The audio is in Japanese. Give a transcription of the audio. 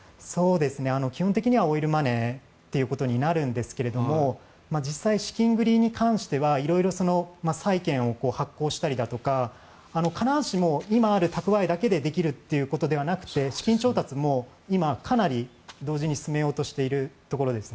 基本的にはオイルマネーということになるんですが資金繰りに関しては色々債券を発行したりだとか必ずしも今あるたくわえだけでできるということではなくて資金調達も今かなり同時に進めようとしているところです。